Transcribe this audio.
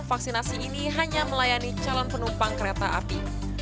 vaksinasi ini hanya melayani calon penumpang kereta api